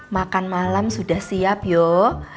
makan malam sudah siap yuk